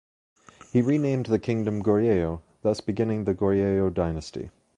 He renamed the kingdom Goryeo, thus beginning the Goryeo Dynasty.